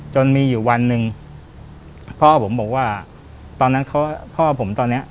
จนมีอยู่วันหนึ่งพ่อผมบอกว่าตอนนั้นเขาพ่อผมตอนเนี้ย